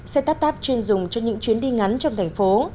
xe tap tap chuyên dùng cho những chuyến đi ngắn trong thành phố